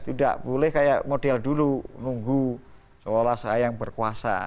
tidak boleh kayak model dulu nunggu seolah olah saya yang berkuasa